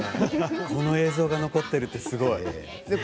この映像が残っているってすごい。